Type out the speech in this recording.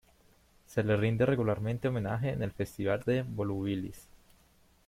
Se le rinde regularmente homenaje en el Festival de Volubilis.